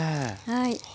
はい。